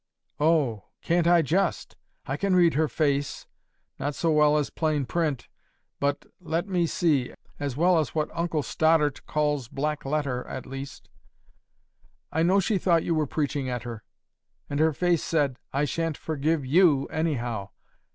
"Oh! can't I just? I can read her face—not so well as plain print; but, let me see, as well as what Uncle Stoddart calls black letter, at least. I know she thought you were preaching at her; and her face said, 'I shan't forgive YOU, anyhow.